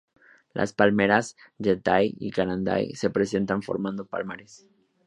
Las palmeras yatay y caranday se presentan formando palmares.